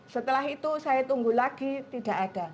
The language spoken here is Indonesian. setelah itu saya tunggu lagi tidak ada